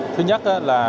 thứ nhất là